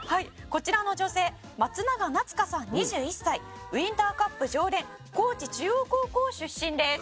「こちらの女性松永夏佳さん２１歳」「ウインターカップ常連高知中央高校出身です」